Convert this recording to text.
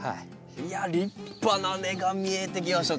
いやあ立派な根が見えてきました。